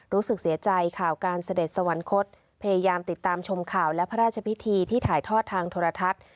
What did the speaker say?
รู้สึกเสียใจข่าวการเสด็จสวรรคตพยายามติดตามชมข่าวและพระราชพิธีที่ถ่ายทอดทางโทรทัศน์